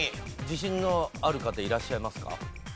自信のある方いらっしゃいますか？